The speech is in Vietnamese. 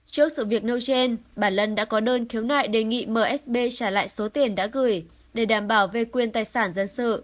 trước sự việc nêu trên bà lân đã có đơn khiếu nại đề nghị msb trả lại số tiền đã gửi để đảm bảo về quyền tài sản dân sự